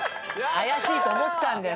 怪しいと思ったんだよ。